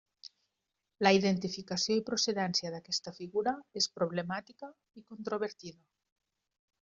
La identificació i procedència d'aquesta figura és problemàtica i controvertida.